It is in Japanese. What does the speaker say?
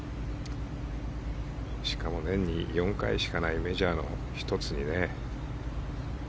しかも年に４回しかないメジャーの１つにね。